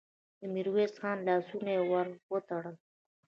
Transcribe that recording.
د ميرويس خان لاسونه يې ور وتړل.